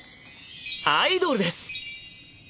アイドルです！